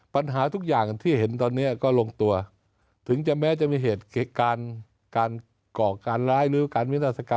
ปัญหาทุกอย่างที่เห็นตอนนี้ก็ลงตัวถึงจะแม้จะมีเหตุการณ์การก่อการร้ายหรือการวินาศกรรม